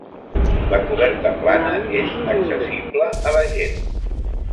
La coberta plana és accessible a la gent.